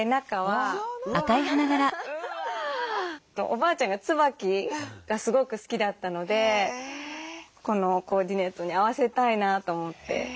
おばあちゃんがツバキがすごく好きだったのでこのコーディネートに合わせたいなと思って。